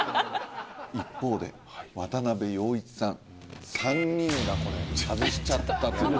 一方で渡部陽一さん３人がこれ外しちゃったという。